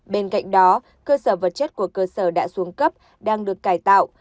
bên cạnh đó cơ sở vật chất của cơ sở đã xuống cấp đang được cải tạo